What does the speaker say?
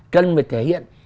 cần phải thể hiện